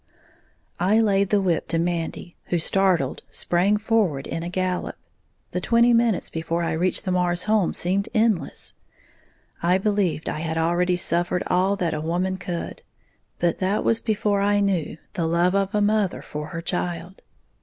I laid the whip to Mandy, who, startled, sprang forward in a gallop. The twenty minutes before I reached the Marrs home seemed endless. I believed I had already suffered all that a woman could; but that was before I knew the love of a mother for her child.